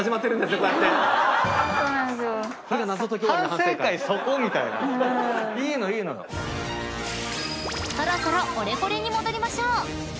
［そろそろオレコレに戻りましょう］